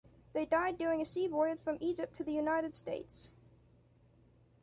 They died during a sea voyage from Egypt to the United States.